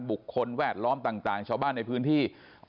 บุคคลแวดล้อมต่างชาวบ้านในพื้นที่